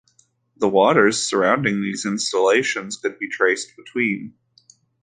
The waters surrounding these insulations could be traced between.